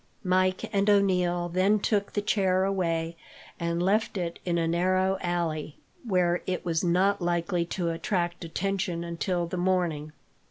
Mike and O'Neil then took the chair away, and left it in a narrow alley, where it was not likely to attract attention until the morning.